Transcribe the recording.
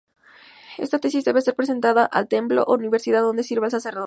Esta tesis debe ser presentada al templo o universidad donde sirva el sacerdote.